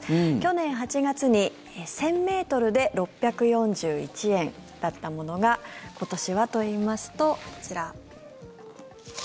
去年８月に１０００ｍで６４１円だったものが今年はといいますと、こちら。